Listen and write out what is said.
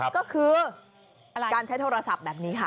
ก็คือการใช้โทรศัพท์แบบนี้ค่ะ